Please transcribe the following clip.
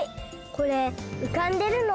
これうかんでるの？